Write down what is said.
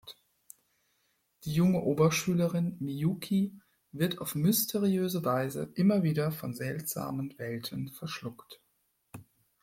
Die junge Oberschülerin Miyuki wird auf mysteriöse Weise immer wieder von seltsamen Welten verschluckt.